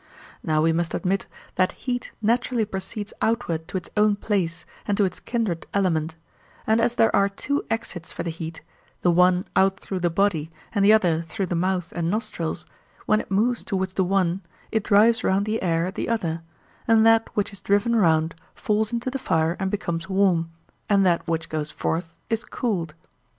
Now we must admit that heat naturally proceeds outward to its own place and to its kindred element; and as there are two exits for the heat, the one out through the body, and the other through the mouth and nostrils, when it moves towards the one, it drives round the air at the other, and that which is driven round falls into the fire and becomes warm, and that which goes forth is cooled.